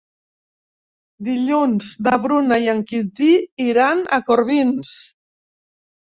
Dilluns na Bruna i en Quintí iran a Corbins.